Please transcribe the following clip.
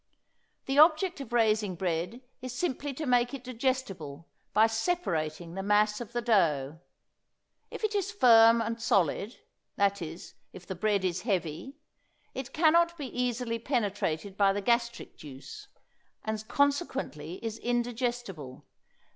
The object of raising bread is simply to make it digestible by separating the mass of the dough. If it is firm and solid, that is, if the bread is heavy, it can not be easily penetrated by the gastric juice, and consequently is indigestible.